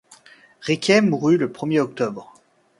Riquet mourut le premier octobre.